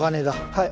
はい。